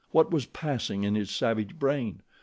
What was passing in his savage brain?